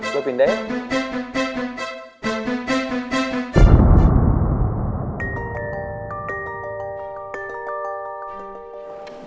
lo pindah ya